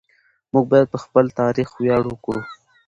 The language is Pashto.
موږ باید پر خپل تاریخ ویاړ وکړو.